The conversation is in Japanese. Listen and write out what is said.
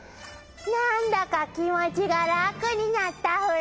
なんだかきもちがらくになったフラ。